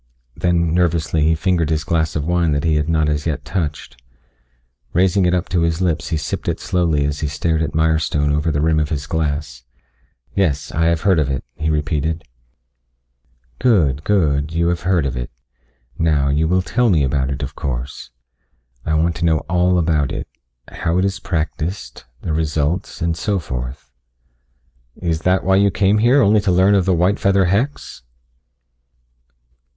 Then nervously he fingered his glass of wine that he had not as yet touched. Raising it up to his lips he sipped it slowly as he stared at Mirestone over the rim of the glass. "Yes. I have heard of it," he repeated. "Good, good. You have heard of it. Now, you will tell me about it, of course. I want to know all about it how it is practiced, the results, and so forth." "Is that why you came here? Only to learn of the white feather hex?"